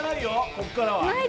ここからは。